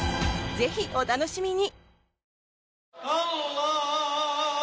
ぜひお楽しみに！